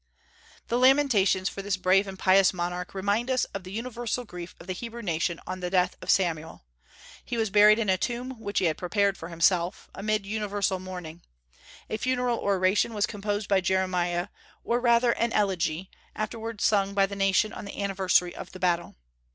The lamentations for this brave and pious monarch remind us of the universal grief of the Hebrew nation on the death of Samuel. He was buried in a tomb which he had prepared for himself, amid universal mourning. A funeral oration was composed by Jeremiah, or rather an elegy, afterward sung by the nation on the anniversary of the battle.